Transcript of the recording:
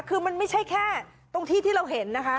คือมันไม่ใช่แค่ตรงที่ที่เราเห็นนะคะ